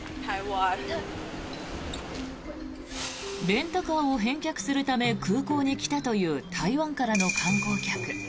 レンタカーを返却するため空港に来たという台湾からの観光客。